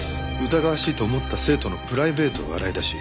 疑わしいと思った生徒のプライベートを洗い出し